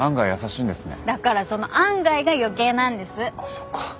そっか。